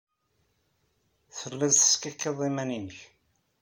Telliḍ teskikkiḍeḍ iman-nnek.